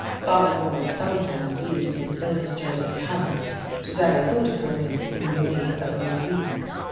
Father Morris sometimes used his illustrative talent to very good purpose in the way of rebuke.